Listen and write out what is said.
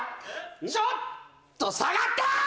ちょっと下がったー！